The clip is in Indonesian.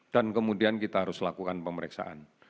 dan kemudian kita harus lakukan pemeriksaan